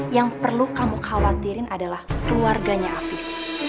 yang perlu kamu khawatirin adalah keluarganya afif